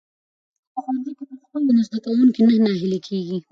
که په ښوونځي کې پښتو وي، نو زده کوونکي نه ناهيلي کېږي.